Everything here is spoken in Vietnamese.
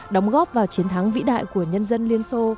đóng góp vào chiến thắng vĩ đại của nhân dân liên xô